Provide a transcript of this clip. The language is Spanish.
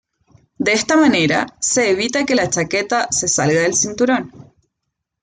De esta manera se evita que la chaqueta se salga del cinturón.